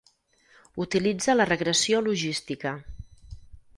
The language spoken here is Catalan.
Utilitza la regressió logística.